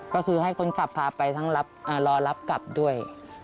ก็คือให้คนขับพาไปทั้งรอรับกลับด้วย